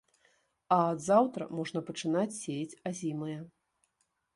А ад заўтра можна пачынаць сеяць азімыя.